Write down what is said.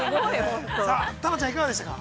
タナちゃん、いかがでしたか。